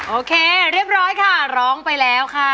โอเคเรียบร้อยค่ะร้องไปแล้วค่ะ